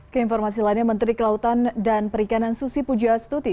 keinformasi lainnya menteri kelautan dan perikanan susi pujastuti